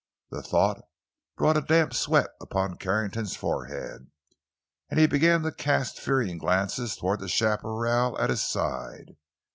The thought brought a damp sweat out upon Carrington's forehead, and he began to cast fearing glances toward the chaparral at his side.